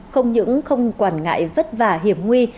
không những không quản ngại vất vả hiểm nguy